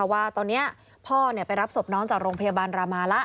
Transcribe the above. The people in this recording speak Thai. ว่าตอนนี้พ่อไปรับศพน้องจากโรงพยาบาลรามาแล้ว